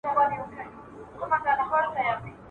دا وطن دعقابانو !.